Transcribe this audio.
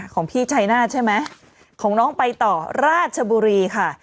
ของพี่ชัยนาธใช่ไหมของน้องไปต่อราชบุรีค่ะ